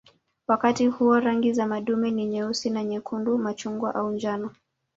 Wakati huo rangi za madume ni nyeusi na nyekundu, machungwa au njano.